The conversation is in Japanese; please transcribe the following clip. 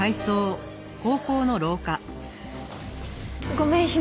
ごめん姫